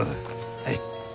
はい。